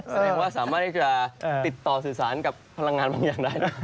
แสดงว่าสามารถที่จะติดต่อสื่อสารกับพลังงานบางอย่างได้นะ